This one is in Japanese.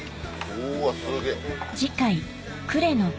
うわすげぇ。